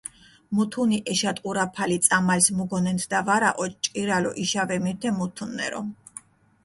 მუთუნი ეშატყურაფალი წამალს მუგონენთდა ვარა, ოჭკირალო იშა ვემირთე მუთუნნერო.